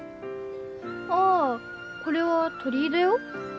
ああこれは鳥居だよ。